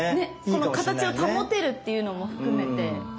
この形を保てるっていうのも含めて。